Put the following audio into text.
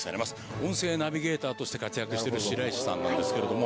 音声ナビゲーターとして活躍してる白石さんなんですけれども。